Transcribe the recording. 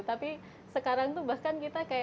tapi sekarang tuh bahkan kita kayak apa ya